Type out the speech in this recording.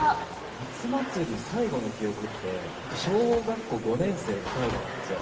夏祭り最後の記憶って、小学校５年生が最後なんですよ。